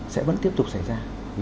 sẽ vẫn tiếp tục xảy ra